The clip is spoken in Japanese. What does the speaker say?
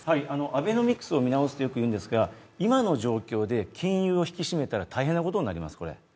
アベノミクスを見直すとよく言うんですが、今の状況で、金融を引き締めたら大変なことになります。